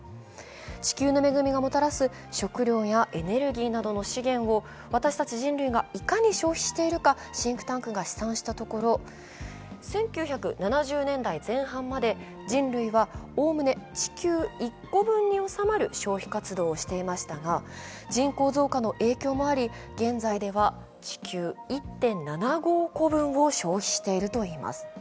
地球の恵みがもたらす食料やエネルギーなどの資源を私たち人類はいかに消費しているかシンクタンクが試算したところ１９７０年代前半まで人類はおおむね地球１個分に収まる消費活動をしていましたが、人口増加の影響もあり現在では地球１．７５個分を消費しているといいます。